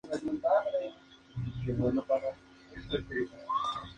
Uno de sus principales cruces es la Avenida Francisco de Aguirre en La Serena.